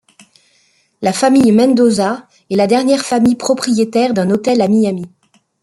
La famille Mendoza est la dernière famille propriétaire d'un hôtel à Miami.